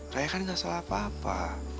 saya kan gak salah apa apa